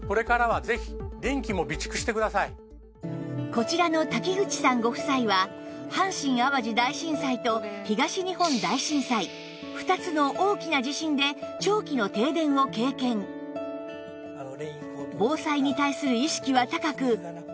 こちらの瀧口さんご夫妻は阪神・淡路大震災と東日本大震災２つの大きな地震で長期の停電を経験ですが